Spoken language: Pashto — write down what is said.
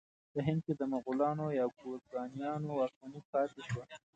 په هند کې د مغلانو یا ګورکانیانو واکمني پاتې شوه.